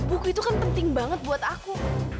buku itu kan penting banget buat aku